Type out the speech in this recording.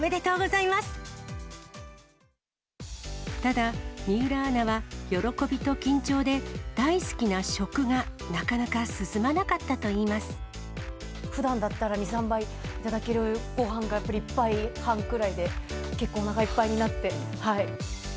おめでただ、水卜アナは喜びと緊張で、大好きな食がなかなか進まなかったといふだんだったら、２、３杯頂けるごはんが、やっぱり１杯半くらいで結構おなかいっぱいになって。